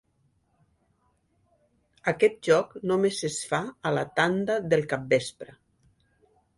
Aquest joc només es fa a la tanda del capvespre.